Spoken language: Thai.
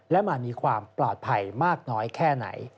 และมันมีความปลอดภัยมากน้อยแค่ไหน